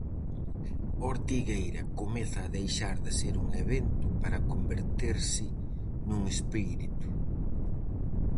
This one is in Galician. Ortigueira comeza a deixar de ser un evento para converterse nun espírito.